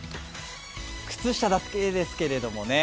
靴下だけですけれどもね。